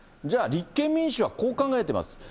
じゃあ、立憲民主はこう考えています。